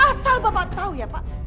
asal bapak tahu ya pak